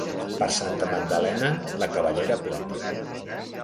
Per Santa Magdalena, la cabellera plena.